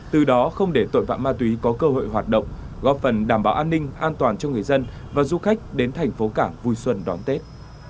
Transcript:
từ đó không để tội phạm ma túy có cơ hội hoạt động góp phần đảm bảo an ninh an toàn cho người dân và du khách đến thành phố cảng vui xuân đón tết